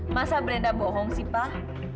masa berenda bohong sih pak